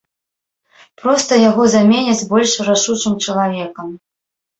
Проста яго заменяць больш рашучым чалавекам.